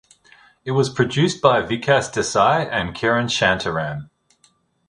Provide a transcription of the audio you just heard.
It was produced by Vikas Desai and Kiran Shantaram.